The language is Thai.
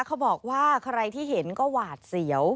เขาบอกว่าใครที่เห็นก็หวาดเสียว